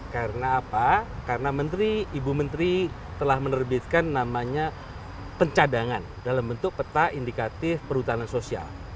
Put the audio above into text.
karena apa karena menteri ibu menteri telah menerbitkan namanya pencadangan dalam bentuk peta indikatif perhutanan sosial